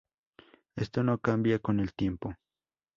Esta no cambia con el tiempo.